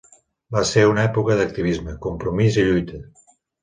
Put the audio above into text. Va ser una època d'activisme, compromís i lluita.